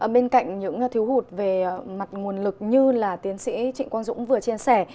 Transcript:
bên cạnh những thiếu hụt về mặt nguồn lực như là tiến sĩ trịnh quang dũng vừa chia sẻ